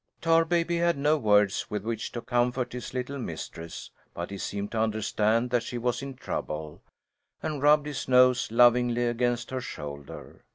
Tarbaby had no words with which to comfort his little mistress, but he seemed to understand that she was in trouble, and rubbed his nose lovingly against her shoulder.